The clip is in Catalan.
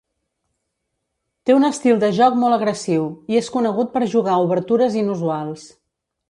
Té un estil de joc molt agressiu, i és conegut per jugar obertures inusuals.